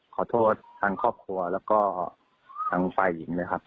ขอโทษทางครอบครัวแล้วก็ทางฝ่ายหญิงเลยครับ